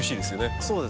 そうですね。